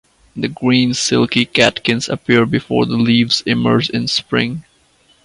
The green silky catkins appear before the leaves emerge in spring.